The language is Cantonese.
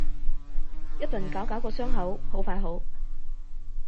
一陣搞搞個傷口，好快好